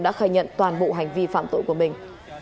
đã khai nhận toàn bộ hành vi phạm tội của mình